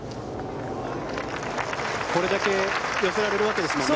これだけ寄せられるわけですもんね。